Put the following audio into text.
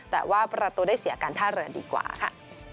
แต่ว่าประตูได้เสียการท่าเรือดีกว่าค่ะ